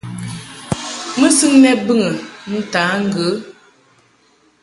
Mɨsɨŋ lɛ bɨŋɨ ntǎ ŋgə.